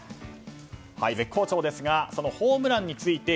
絶好調ですがホームランについて